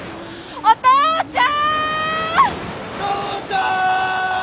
お父ちゃん！